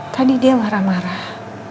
tadi dia marah marah